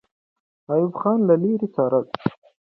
ایوب خان له لرې څارله.